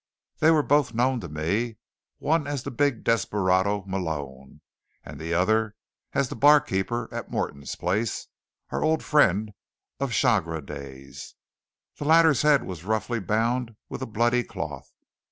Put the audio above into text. They were both known to me, one as the big desperado, Malone; and the other as the barkeeper at Morton's place, our old friend of Chagres days. The latter's head was roughly bound with a bloody cloth.